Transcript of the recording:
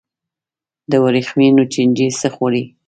د ورېښمو چینجی څه خوري؟